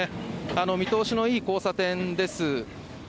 見通しのいい交差点です。